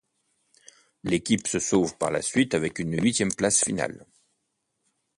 L'équipe se sauve par la suite avec une huitième place finale.